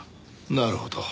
なるほど。